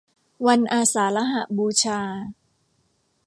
วันอาสาฬหบูชา